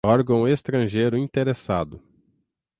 órgão estrangeiro interessado